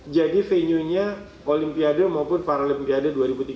jadi venue nya olimpiade maupun paralympiade dua ribu tiga puluh dua